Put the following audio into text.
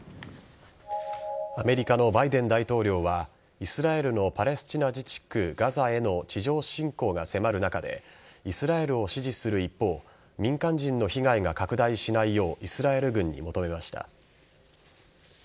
アメリカのバイデン大統領はイスラエルのパレスチナ自治区ガザへの地上侵攻が迫る中でイスラエルを支持する一方民間人の被害が拡大しないようイスラエル軍に求めました。